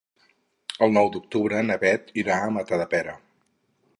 El nou d'octubre na Beth irà a Matadepera.